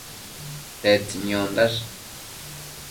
Tedtsi niondash?